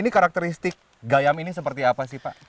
ini karakteristik gayam ini seperti apa sih pak